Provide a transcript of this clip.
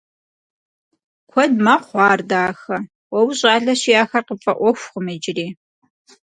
Куэд мэхъу ар, дахэ, уэ ущӀалэщи ахэр къыпфӀэӀуэхукъым иджыри.